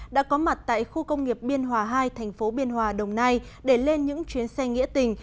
đã có mặt tại khu công nghiệp biên hòa hai thành phố biên hòa đồng nai để lên những chuyến xe nghĩa tình